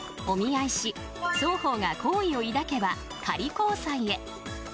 お見合いし、双方が好意を抱けば仮交際へ。